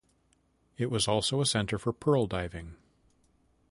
It was also a center for pearl diving.